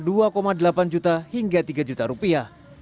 dua koma delapan juta hingga tiga juta rupiah